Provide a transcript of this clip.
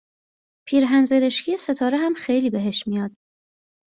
پیرهن زرشکی ستاره هم خیلی بهش میاد